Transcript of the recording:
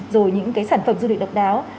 rồi những cái sản phẩm du lịch độc đáo